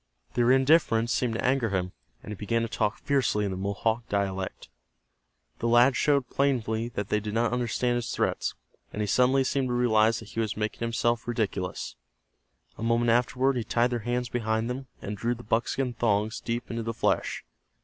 Their indifference seemed to anger him, and he began to talk fiercely in the Mohawk dialect. The lads showed plainly that they did not understand his threats, and he suddenly seemed to realize that he was making himself ridiculous. A moment afterward he tied their hands behind them, and drew the buckskin thongs deep into the flesh.